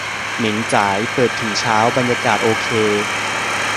เหม่งจ๋าย เปิดถึงเช้า บรรยากาศโอเค